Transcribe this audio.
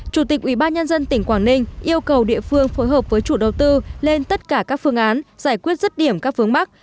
chủ tịch ubnd tỉnh quảng ninh yêu cầu địa phương phối hợp với chủ đầu tư lên tất cả các phương án giải quyết rất điểm các phương bắc